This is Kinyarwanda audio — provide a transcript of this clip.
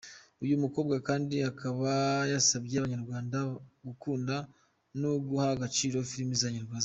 Uyu mukobwa kandi akaba, yasabye abanyarwanda gukunda no guha agaciro filimi z’abanyarwanda.